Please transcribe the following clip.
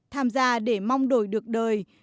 tham gia để mong đổi được đời